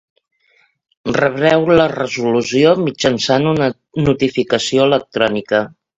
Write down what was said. Rebreu la resolució mitjançant una notificació electrònica.